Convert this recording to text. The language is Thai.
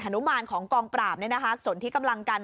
นุมานของกองปราบสนที่กำลังกัน